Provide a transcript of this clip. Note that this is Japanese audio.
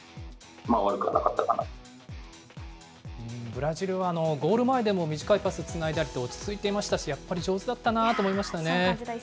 ブラジルはゴール前でも短いパスつないだりと、落ち着いていましたし、やっぱり上手だったなと思いますね。